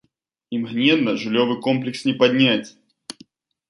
Імгненна жыллёвы комплекс не падняць.